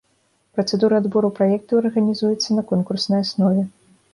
Працэдура адбору праектаў арганізуецца на конкурснай аснове.